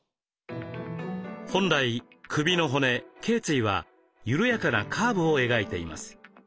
本来首の骨けい椎は緩やかなカーブを描いています。